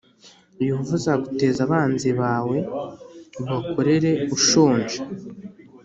yehova azaguteza abanzi bawe+ ubakorere ushonje